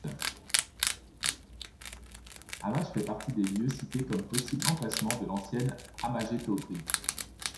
Amage fait partie des lieux cités comme possible emplacement de l'ancienne Amagétobrie.